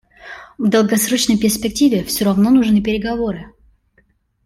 В долгосрочной перспективе всё равно нужны переговоры.